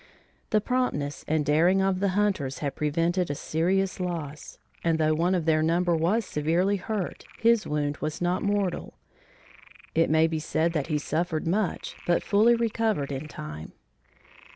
The promptness and daring of the hunters had prevented a serious loss, and though one of their number was severely hurt, his wound was not mortal. It may be said that he suffered much but fully recovered in time.